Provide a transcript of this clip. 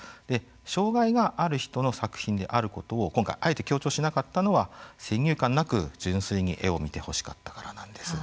障害がある人の作品であることを今回あえて強調しなかったのは先入観なく純粋に絵を見てほしかったからなんです。